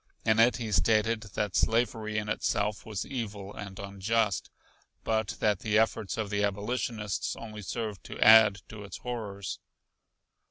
In it he stated that slavery in itself was evil and unjust, but that the efforts of the abolitionists only served to add to its horrors.